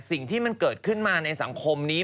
สิ่งที่มันเกิดขึ้นมาในสังคมนี้